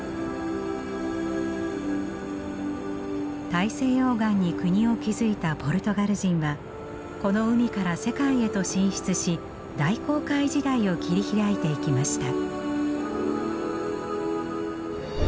大西洋岸に国を築いたポルトガル人はこの海から世界へと進出し大航海時代を切り開いていきました。